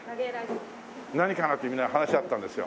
何かな？ってみんなで話し合ったんですよ。